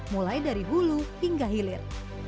mulai dari hulu hingga hilir